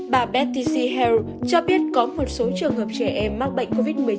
bà beth t c harrell cho biết có một số trường hợp trẻ em mắc bệnh covid một mươi chín